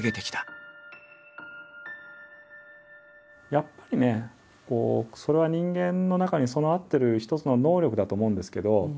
やっぱりねそれは人間の中に備わってる一つの能力だと思うんですけど。